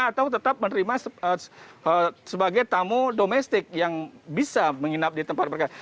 atau tetap menerima sebagai tamu domestik yang bisa menginap di tempat mereka